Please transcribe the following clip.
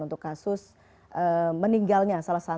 untuk kasus meninggalnya